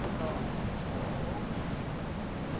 合いますよ。